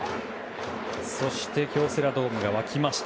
そして、京セラドームが沸きました。